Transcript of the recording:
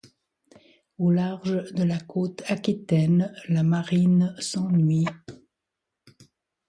Au large de la côte Aquitaine, la Marine s'ennuie.